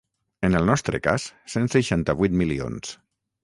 En el nostre cas, cent seixanta-vuit milions.